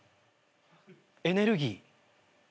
エネルギー？